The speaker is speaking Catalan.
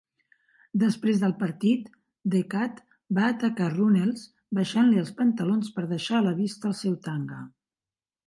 Després del partit, The Kat va atacar Runnels baixant-li els pantalons per deixar a la vista el seu tanga.